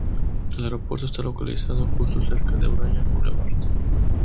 El aeropuerto está localizado justo cerca de Bryan Boulevard.